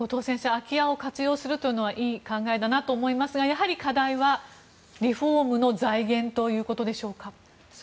空き家を活用するというのはいい取り組みだなと思いますがやはり課題はリフォームの財源でしょうか？